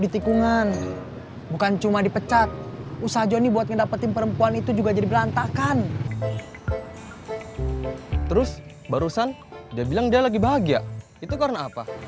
terus barusan dia bilang dia lagi bahagia itu karena apa